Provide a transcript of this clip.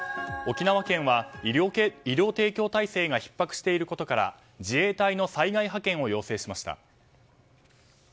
沖縄県は医療提供体制がひっ迫していることから自衛隊の災害派遣を要請しました。